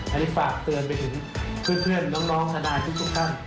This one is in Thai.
อันนี้ฝากเตือนไปถึงเพื่อนน้องทนายทุกท่าน